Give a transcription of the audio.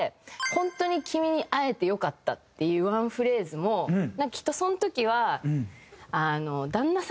「本当に君に会えて良かった」っていうワンフレーズもきっとその時は。